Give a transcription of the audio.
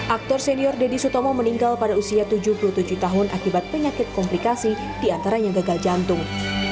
akter senior deddy sutomo meninggal pada usia tujuh puluh tujuh tahun akibat penyakit komplikasi di antara yang gagal jantung